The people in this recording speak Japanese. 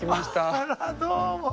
あらどうも。